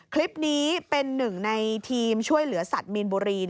คลิปนี้เป็นหนึ่งในทีมช่วยเหลือสัตว์มีนบุรี